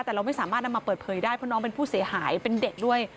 แต่เราไม่สามารถนำมาเปิดเผยได้เพราะน้องเป็นผู้เสียหายเป็นเด็กด้วย